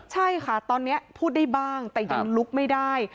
ใช่ค่ะตอนนี้พูดได้บ้างแต่ยังลุกไม่ได้